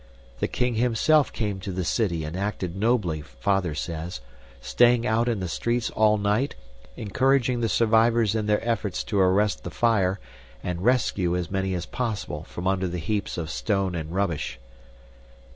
The king himself came to the city and acted nobly, Father says, staying out in the streets all night, encouraging the survivors in their efforts to arrest the fire and rescue as many as possible from under the heaps of stone and rubbish.